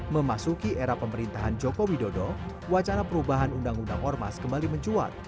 memasuki era pemerintahan joko widodo wacana perubahan undang undang ormas kembali mencuat